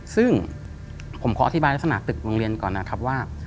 ซึ่งผมขออธิบายลักษณะตึกโรงเรียนก่อนนะครับว่า